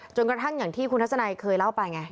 กระทั่งอย่างที่คุณทัศนัยเคยเล่าไปไง